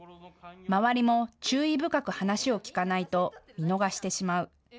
周りも注意深く話を聞かないと見逃してしまう。